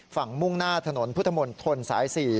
ฝั่งมุ่งหน้าถนนพุทธมนต์ถนนสาย๔